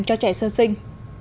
cho trẻ sơ sinh